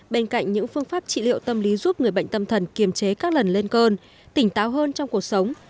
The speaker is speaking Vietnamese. bên cạnh những phương pháp trị liệu tâm lý giúp người bệnh tâm thần kiềm chế các lần lên cơn tỉnh táo hơn trong cuộc sống